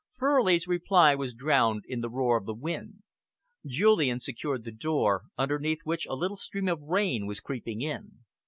Furley's reply was drowned in the roar of wind. Julian secured the door, underneath which a little stream of rain was creeping in.